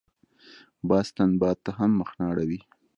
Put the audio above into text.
باز تند باد ته هم مخ نه اړوي